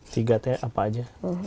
tiga apa aja